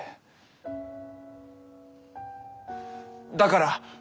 だから！